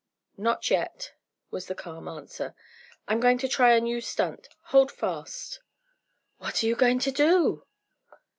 "Not yet," was the calm answer "I'm going to try a new stunt. Hold fast!" "What are you going to do?"